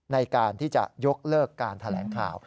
ในการที่จะยกเลิกการแถลงข่าว